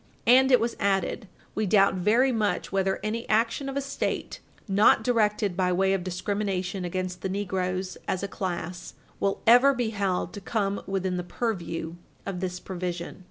And it was added, "We doubt very much whether any action of a State not directed by way of discrimination against the negroes as a class will ever be held to come within the purview of this provision."